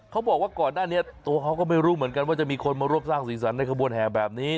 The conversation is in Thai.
เขาบอกว่าก่อนหน้านี้ตัวเขาก็ไม่รู้เหมือนกันว่าจะมีคนมาร่วมสร้างสีสันในขบวนแห่แบบนี้